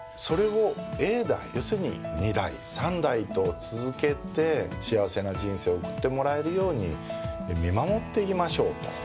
それを永代要するに二代三代と続けて幸せな人生を送ってもらえるように見守っていきましょうと。